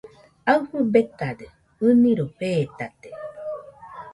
Aɨfɨ betade, ɨniroi fetate.